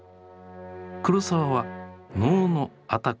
黒澤は能の「安宅」